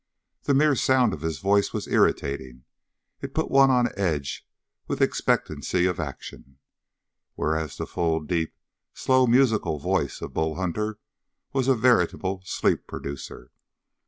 The mere sound of his voice was irritating it put one on edge with expectancy of action. Whereas the full, deep, slow, musical voice of Bull Hunter was a veritable sleep producer.